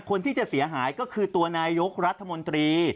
คนที่จะเสียหายก็คือตัวนายกรัฐมนตรี